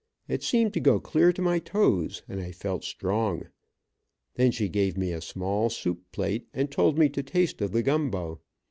It seemed to go clear to my toes, and I felt strong. Then she gave me a small soup plate and told me to taste of the gumbo.